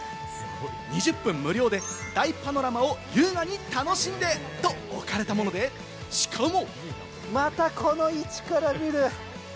２０分無料で大パノラマを優雅に楽しんでと置かれたもので、しかも。